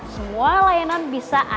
semua layanan bisa anda jelaskan